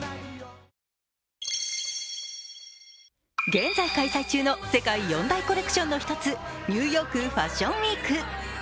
現在開催中の世界４大コレクションの１つニューヨーク・ファッションウィーク。